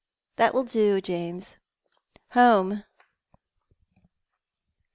That will do, James. Home."